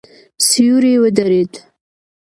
سیوری ودرېد.